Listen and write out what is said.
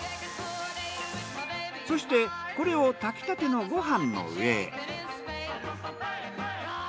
そしてこれを炊きたてのご飯の上へ。